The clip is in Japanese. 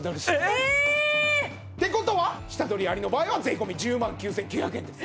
ええっ！？って事は下取りありの場合は税込１０万９９００円です。